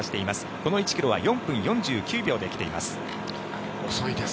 この１ｋｍは４分４９秒で来ています。